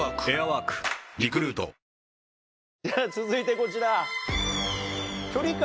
続いてこちら。